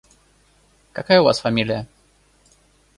Какая у вас фамилия?